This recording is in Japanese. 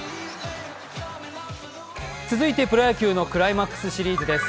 続いて、プロ野球のクライマックスシリーズです。